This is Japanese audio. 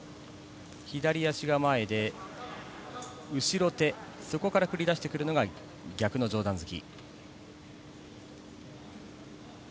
左足が前で後ろ手そこから繰り出してくるのが逆の上段突き。